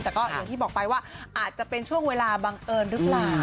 แต่ก็อย่างที่บอกไปว่าอาจจะเป็นช่วงเวลาบังเอิญหรือเปล่า